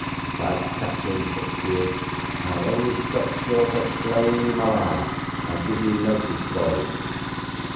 'If I catch him,' said Squeers, 'I'll only stop short of flaying him alive. I give you notice, boys.